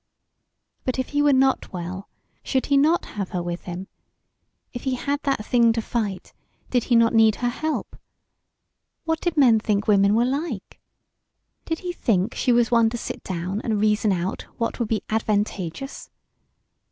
But if he were not well should he not have her with him? If he had that thing to fight, did he not need her help? What did men think women were like? Did he think she was one to sit down and reason out what would be advantageous?